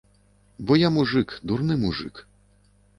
Бо я мужык, дурны мужык.